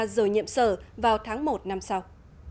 rời nhiệm sở vào tháng một năm sau